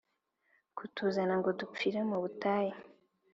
kutuzana ngo dupfire mu butayu?